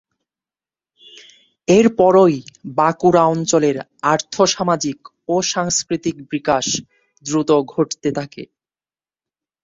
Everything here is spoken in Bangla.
এরপরই বাঁকুড়া অঞ্চলের আর্থসামাজিক ও সাংস্কৃতিক বিকাশ দ্রুত ঘটতে থাকে।